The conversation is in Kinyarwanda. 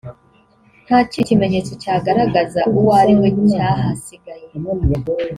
nta kindi kimenyetso cyagaragaza uwo ariwe cyahasigaye